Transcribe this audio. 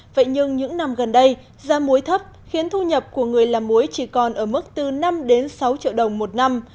vậy nhưng những năm gần đây gia muối thấp khiến thu nhập của người làm muối chỉ còn ở mức từ năm đến sáu triệu đồng một năm